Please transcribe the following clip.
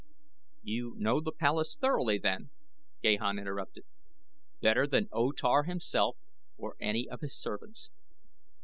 "You know the palace thoroughly then?" Gahan interrupted. "Better than O Tar himself or any of his servants."